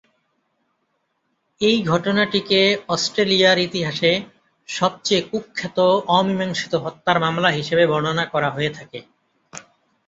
এই ঘটনাটিকে অস্ট্রেলিয়ার ইতিহাসে সবচেয়ে কুখ্যাত অমীমাংসিত হত্যার মামলা হিসেবে বর্ণনা করা হয়ে থাকে।